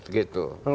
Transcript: gitu kan ya